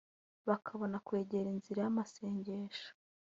bakabona kwegera inzira y’amasengesho